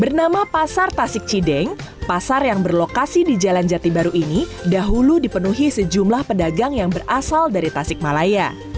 bernama pasar tasik cideng pasar yang berlokasi di jalan jati baru ini dahulu dipenuhi sejumlah pedagang yang berasal dari tasik malaya